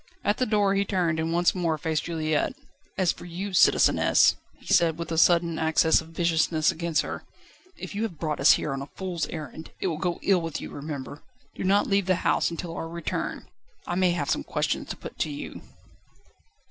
At the door he turned, and once more faced Juliette. "As for you, citizeness," he said, with a sudden access of viciousness against her, "if you have brought us here on a fool's errand, it will go ill with you, remember. Do not leave the house until our return. I may have some questions to put to you."